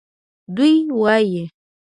دوی وایي